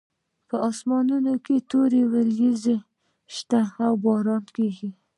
په اسمان کې تورې وریځې شته او باران کیږي